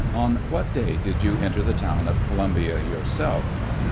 On what day did you enter the town of Columbia yourself?